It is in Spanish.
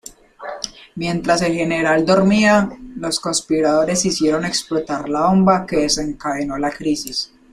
Mientras el general dormía, los conspiradores hicieron explotar la bomba que desencadenó la crisis.